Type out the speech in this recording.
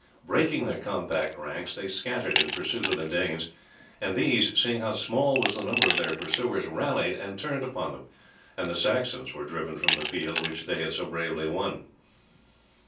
Breaking their compact ranks they scattered in pursuit of the Danes, and these, seeing how small was the number of their pursuers, rallied and turned upon them, and the Saxons were driven from the field which they had so bravely won.